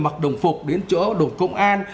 mặc đồng phục đến chỗ đồ công an